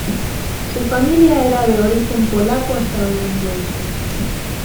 Su familia era de origen polaco-estadounidense.